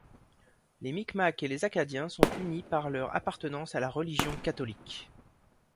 Les Micmac et les Acadiens sont unis par leur appartenance à la religion catholique.